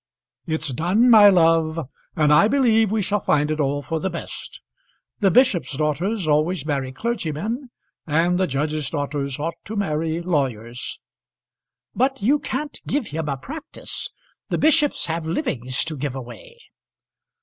"It's done, my love; and I believe we shall find it all for the best. The bishops' daughters always marry clergymen, and the judges' daughters ought to marry lawyers." "But you can't give him a practice. The bishops have livings to give away."